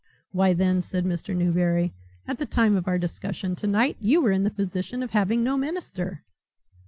"Why, then," said Mr. Newberry, "at the time of our discussion tonight, you were in the position of having no minister."